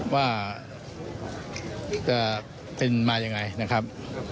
ว่าจะเป็นมายังไงนะครับ